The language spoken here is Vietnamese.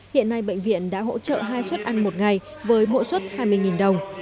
hiện nay bệnh viện đã hỗ trợ hai xuất ăn một ngày với mỗi xuất hai mươi đồng